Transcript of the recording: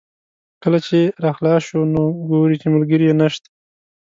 کله چې را خلاص شو نو ګوري چې ملګری یې نشته.